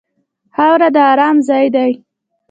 خاوره د ارام ځای دی.